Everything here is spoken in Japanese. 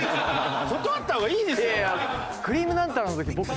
断った方がいいですよ。